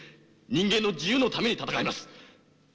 人間の自由のために戦います！